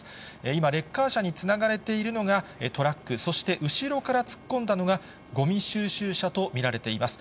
今、レッカー車につながれているのがトラック、そして後ろから突っ込んだのが、ごみ収集車と見られています。